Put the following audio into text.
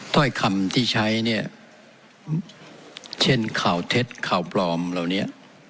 ถ้อยคำที่ใช้เนี่ยเช่นข่าวเท็จข่าวปลอมเหล่านี้